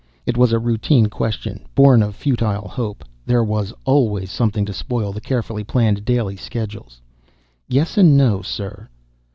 It was a routine question, born of futile hope. There was always something to spoil the carefully planned daily schedules. "Yes and no, sir."